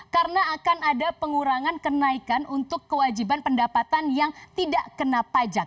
karena akan ada pengurangan kenaikan untuk kewajiban pendapatan yang tidak kena pajak